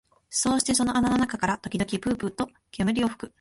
そうしてその穴の中から時々ぷうぷうと煙を吹く